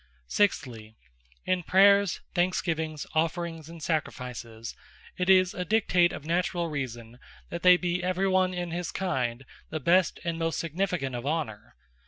Sixthly, in Prayers, Thanksgivings, Offerings and Sacrifices, it is a Dictate of naturall Reason, that they be every one in his kind the best, and most significant of Honour.